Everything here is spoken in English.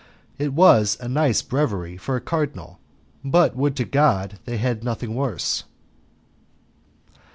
It was a nice breviary for a cardinal, but would to God they had nothing worse!